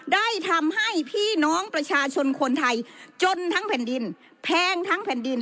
ได้ทำให้พี่น้องประชาชนคนไทยจนทั้งแผ่นดินแพงทั้งแผ่นดิน